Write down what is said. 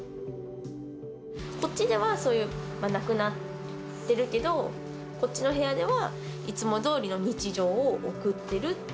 こっちでは、そういう、亡くなっているけど、こっちの部屋では、いつもどおりの日常を送ってる。